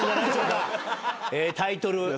タイトル。